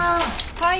はい。